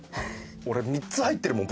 俺３つ入ってるもん